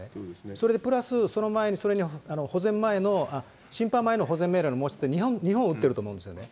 それでプラス、その前にそれに保全前の、審判前の保全命令の申し立て、２本打ってると思うんですよね。